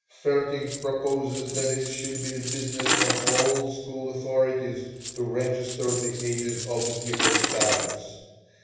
Vaerting proposes that it should be the business of all school authorities to register the ages of the pupils' parents.